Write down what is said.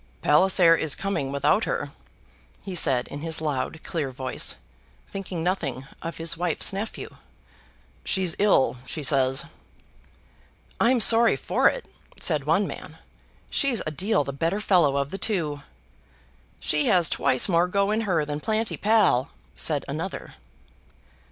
"Palliser is coming without her," he said in his loud clear voice, thinking nothing of his wife's nephew. "She's ill, she says." "I'm sorry for it," said one man. "She's a deal the better fellow of the two." "She has twice more go in her than Planty Pall," said another.